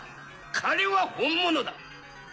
彼は本物だ！